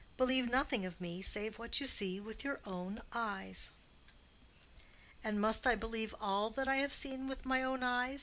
Believe nothing of me save what you see with your own eyes." "And must I believe all that I have seen with my own eyes?"